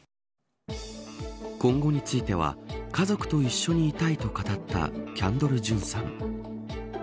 今後については家族と一緒にいたいと語ったキャンドル・ジュンさん。